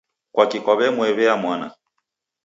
Kwaki kwaw'amwew'ea mwana